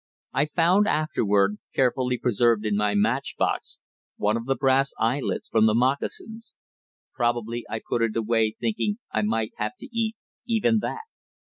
I found afterward, carefully preserved in my match box, one of the brass eyelets from the moccasins. Probably I put it away thinking I might have to eat even that.